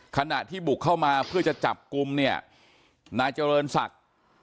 ขณะที่บุกเข้ามาเพื่อจะจับกลุ่มเนี่ยนายเจริญศักดิ์